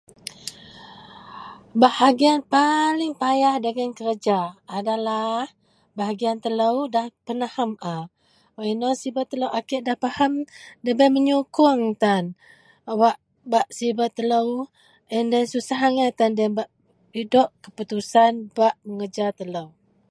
bahagian paling payah dagen kerja adalah bahagian telou da penaham a, inou sibet telou a kek da paham dabei meyukung tan wak bak sibet telou and then susah angai tan deloien bak idok keputusan bak mekerja telou